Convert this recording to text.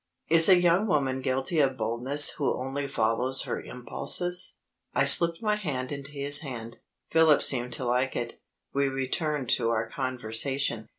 Is a young woman guilty of boldness who only follows her impulses? I slipped my hand into his hand. Philip seemed to like it. We returned to our conversation.